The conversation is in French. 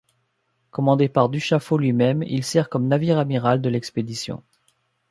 Commandé par Du Chaffault lui-même, il sert comme navire-amiral de l’expédition.